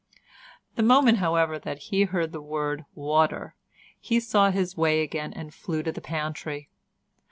The moment, however, that he heard the word "water," he saw his way again, and flew to the pantry.